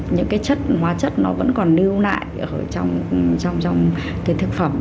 những cái chất hoa chất nó vẫn còn lưu lại trong cái thực phẩm